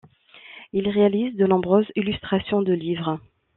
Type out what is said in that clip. Il réalise de nombreuses illustrations de livres.